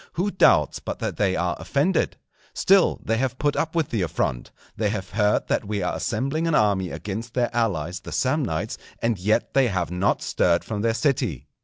Who doubts but that they are offended? Still they have put up with the affront. They have heard that we are assembling an army against their allies the Samnites; and yet they have not stirred from their city.